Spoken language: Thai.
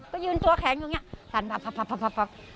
ก็ยืนตัวแข็งอยู่อย่างนี้สั่นพับ